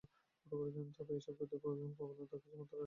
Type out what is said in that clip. তবে এসব ক্ষতিকর প্রবণতা কিছু মাত্রায় হ্রাস করা একেবারে অসম্ভব নয়।